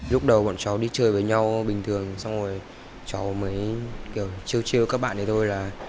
lúc đầu bọn cháu đi chơi với nhau bình thường xong rồi cháu mới kiểu chiêu chiêu các bạn để thôi là